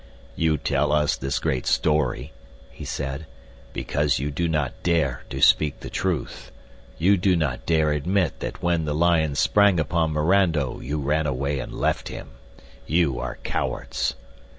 "You tell us this great story," he said, "because you do not dare to speak the truth. You do not dare admit that when the lion sprang upon Mirando you ran away and left him. You are cowards."